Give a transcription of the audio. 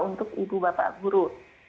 untuk ibu bapak guru